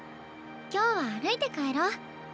今日は歩いて帰ろ。